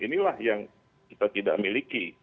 inilah yang kita tidak miliki